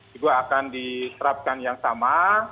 juga akan diterapkan yang sama